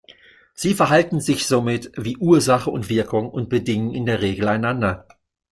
Sie verhalten sich somit wie Ursache und Wirkung und bedingen in der Regel einander.